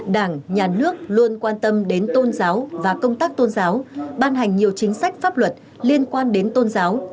đảng nhà nước luôn quan tâm đến tôn giáo và công tác tôn giáo ban hành nhiều chính sách pháp luật liên quan đến tôn giáo